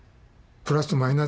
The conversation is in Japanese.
プラスとマイナス。